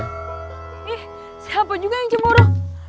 ih siapa juga yang cemburu